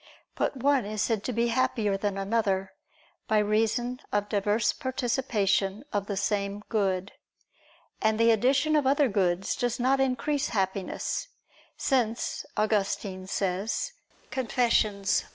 But one is said to be happier than another, by reason of diverse participation of the same good. And the addition of other goods does not increase Happiness, since Augustine says (Confess.